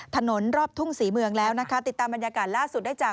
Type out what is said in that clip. ถนนรอบทุ่งศรีเมืองแล้วนะคะติดตามบรรยากาศล่าสุดได้จาก